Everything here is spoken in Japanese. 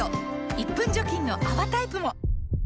１分除菌の泡タイプも！